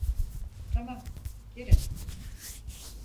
Tamam, girin.